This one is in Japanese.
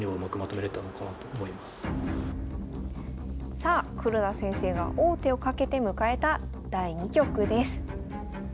さあ黒田先生が王手をかけて迎えた第２局です。